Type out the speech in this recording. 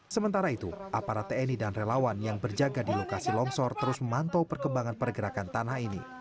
sementara itu aparat tni dan relawan yang berjaga di lokasi longsor terus memantau perkembangan pergerakan tanah ini